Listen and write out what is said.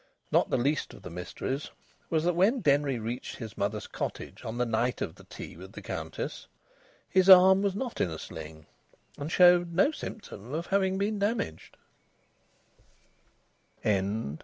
Not the least of the mysteries was that when Denry reached his mother's cottage on the night of the tea with the Countess, his arm was not in a sling, and showed no symptom of having been damaged.